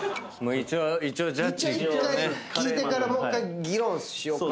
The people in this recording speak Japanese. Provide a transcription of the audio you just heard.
一応１回聞いてからもう１回議論しようか。